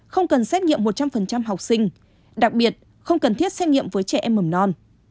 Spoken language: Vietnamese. không cần xét nghiệm một trăm linh học sinh đặc biệt không cần thiết xét nghiệm với trẻ em mầm non